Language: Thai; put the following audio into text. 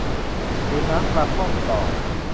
ต้มน้ำกระท่อมต่อ